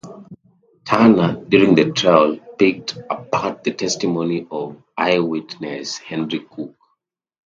Turner, during the trial, picked apart the testimony of eyewitness Henry Cook.